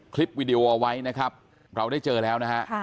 วีดีโอเอาไว้นะครับเราได้เจอแล้วนะฮะ